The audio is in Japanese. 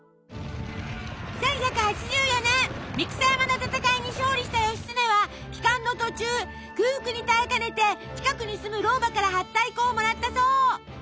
１１８４年三草山の戦いに勝利した義経は帰還の途中空腹に耐えかねて近くに住む老婆からはったい粉をもらったそう。